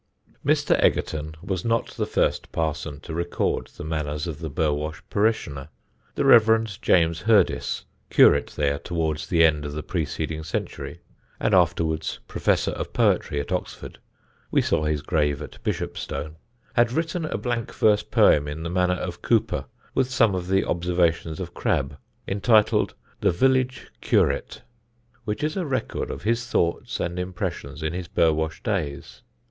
[Sidenote: THE DONKEY RACE] Mr. Egerton was not the first parson to record the manners of the Burwash parishioner. The Rev. James Hurdis, curate there towards the end of the preceding century, and afterwards Professor of Poetry at Oxford (we saw his grave at Bishopstone), had written a blank verse poem in the manner of Cowper, with some of the observation of Crabbe, entitled "The Village Curate," which is a record of his thoughts and impressions in his Burwash days.